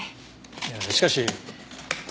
いやしかし。